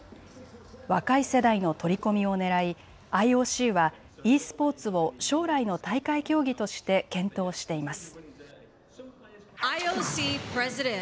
若い世代の取り込みをねらいＩＯＣはｅスポーツを将来の大会競技として検討しています。